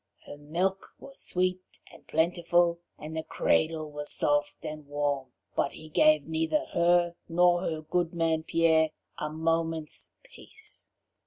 Her milk was sweet and plentiful, and the cradle was soft and warm, but he gave neither her nor her good man Pierre a moment's peace.